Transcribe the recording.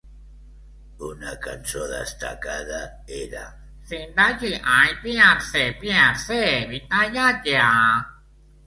Una cançó destacada era "Zindagi hai pyar se, pyar se bitaye ja"